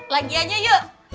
lagi aja yuk